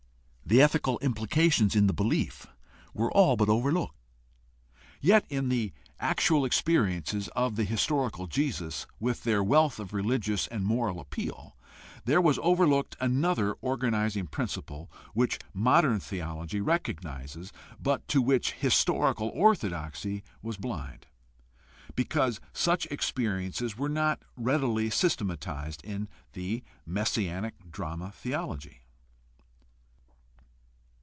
The ethical imphcations in the belief were all but overlooked. Yet in the actual experiences of the historical Jesus with their wealth of religious and moral appeal there was over looked another organizing principle which modern theology recognizes, but to which historical orthodoxy was blind, because such experiences were not readily systematized in the messianic drama theology.